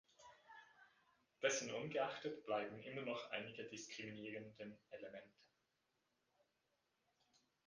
Dessen ungeachtet bleiben immer noch einige diskriminierenden Elemente.